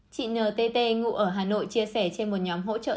chị ntt ngụ ở hà nội chia sẻ trên một nhóm hỗ trợ